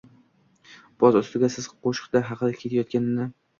Boz ustiga, so‘z qishloq haqida ketayotganini